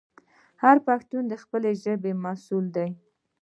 هر پښتون د خپلې ژبې مسوول دی.